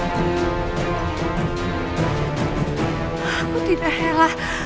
aku tidak rela